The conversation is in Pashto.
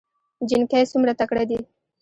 جينکۍ څومره تکړه دي